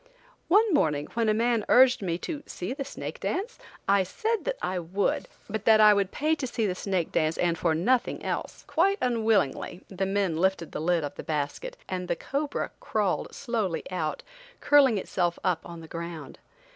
One morning, when a man urged me to "See the snake dance?" I said that I would, but that I would pay to see the snake dance and for nothing else. Quite unwillingly the men lifted the lid of the basket, and the cobra crawled slowly out, curling itself up on the ground.